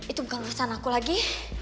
itu bukan rasa anakku lagi